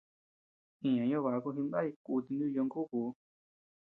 Iña ñobákun jidnay kuti nuku ñongukuu.